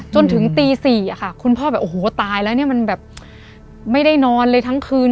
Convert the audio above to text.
จนถึงตี๔ค่ะคุณพ่อแบบโอ้โหตายแล้วเนี่ยมันแบบไม่ได้นอนเลยทั้งคืน